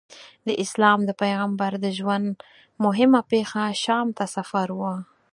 د اسلام د پیغمبر د ژوند موهمه پېښه شام ته سفر و.